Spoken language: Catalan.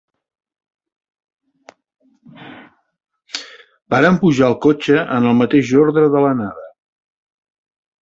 Varen pujar al cotxe en el mateix ordre de l'anada